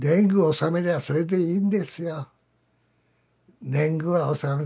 納めりゃそれでいいんです。